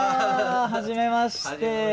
はじめまして。